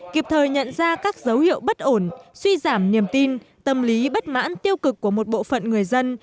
kịp thời nhận ra các dấu hiệu bất ổn suy giảm niềm tin tâm lý bất mãn tiêu cực của một bộ phận người dân